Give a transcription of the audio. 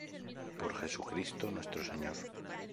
Por Jesucristo, nuestro Señor.